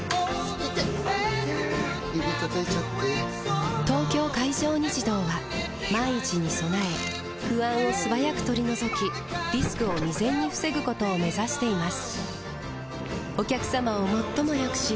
指たたいちゃって・・・「東京海上日動」は万一に備え不安を素早く取り除きリスクを未然に防ぐことを目指しています